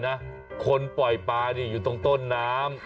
อะไรนะคนปล่อยปลาอยู่ตรงต้นน้ำ